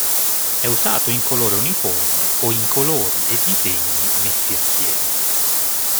È usato in colore uniforme o in colori e disegni messi assieme.